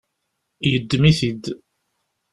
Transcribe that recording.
Yeddem-it-id.